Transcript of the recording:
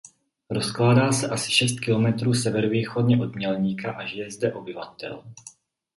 Rozkládá se asi šest kilometrů severovýchodně od Mělníka a žije zde obyvatel.